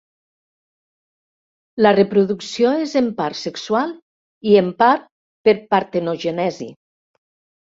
La reproducció és en part sexual i en part per partenogènesi.